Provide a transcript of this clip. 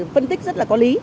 phân tích rất là có lý